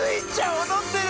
おどってる！